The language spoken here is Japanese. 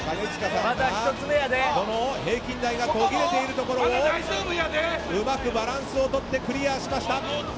平均台が途切れているところをうまくバランスをとってクリア。